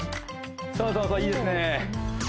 そうそうそういいですね